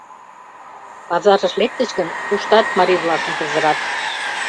Пазарыш лектыч гын, туштат марий-влакым пызырат.